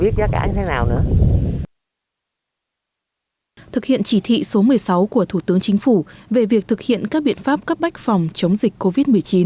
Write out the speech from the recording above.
thực hiện chỉ thị số một mươi sáu của thủ tướng chính phủ về việc thực hiện các biện pháp cấp bách phòng chống dịch covid một mươi chín